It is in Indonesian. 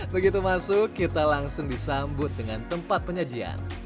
begitu masuk kita langsung disambut dengan tempat penyajian